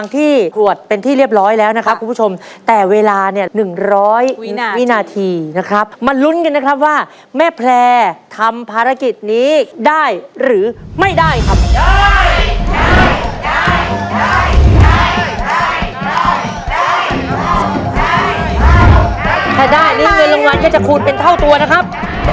ตรวจเป็นที่เรียบร้อยแล้วนะครับคุณผู้ชมแต่เวลาเนี่ย๑๐๐วินาทีนะครับมาลุ้นกันนะครับว่าแม่แพร่ทำภารกิจนี้ได้หรือไม่ได้ครับถ้าได้อันนี้เงินรางวัลจะจะคูณเป็นเท่าตัวนะครับ